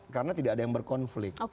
karena tidak ada yang berkonflik